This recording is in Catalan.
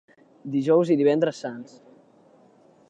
Dijous i divendres sants.